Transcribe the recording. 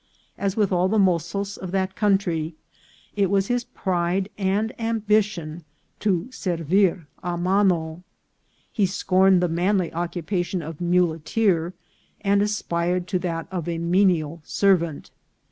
As with all the mozos of that country, it was his pride and ambition to servir a mano. He scorned the manly occupation of a mule teer, and aspired to that of a menial servant.